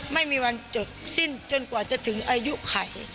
ไม่มีวันจบสิ้นจนกว่าจะถึงอายุไข